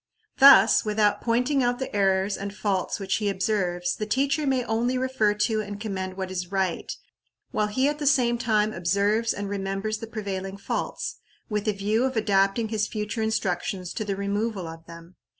Thus, without pointing out the errors and faults which he observes, the teacher may only refer to and commend what is right, while he at the same time observes and remembers the prevailing faults, with a view of adapting his future instructions to the removal of them.